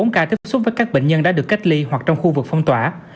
một trăm linh bốn ca tiếp xúc với các bệnh nhân đã được cách ly hoặc trong khu vực phong tỏa